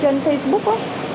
họ có những cái nhóm